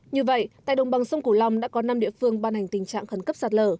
như vậy tại đồng bằng sông cửu long đã có năm địa phương ban hành tình trạng khẩn cấp sạt lở